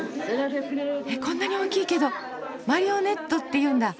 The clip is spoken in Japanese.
えっこんなに大きいけどマリオネットっていうんだ。